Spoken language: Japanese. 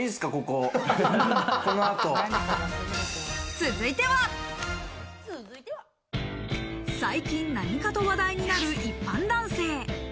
続いては最近何かと話題になる一般男性。